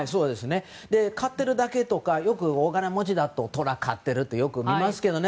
飼ってるだけとかよくお金持ちだとトラを飼ってるの見ますけどね。